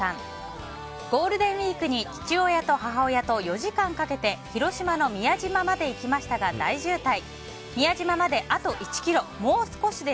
ゴールデンウィークに父親と母親と４時間かけて広島の宮島まで行きましたが大渋滞。